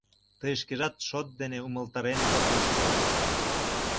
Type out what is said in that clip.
— Тый шкежат шот дене умылтарен от мошто.